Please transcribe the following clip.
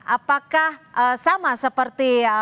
apakah sama seperti